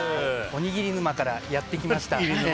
おにぎり沼からやってきました。